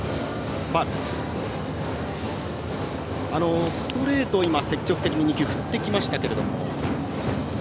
ストレートを積極的に２球振ってきましたけど。